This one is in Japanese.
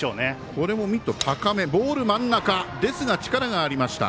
これもミット高めボール真ん中でしたがですが力がありました。